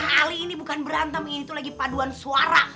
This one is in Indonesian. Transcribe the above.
hal ini bukan berantem ini tuh lagi paduan suara